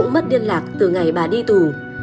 cũng mất điên lạc từ ngày bà đi tù